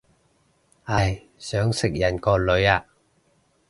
唉，想食人個女啊